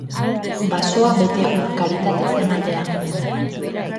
Basoa bete ur karitatez ematea.